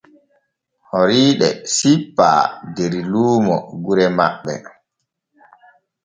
Horiiɗe sippaa der luumo gure maɓɓe.